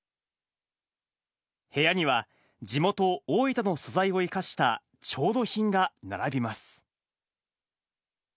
部屋には、地元、大分の素材を生かした調度品が並びます。